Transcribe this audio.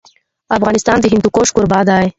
افغانستان د هندوکش کوربه دی.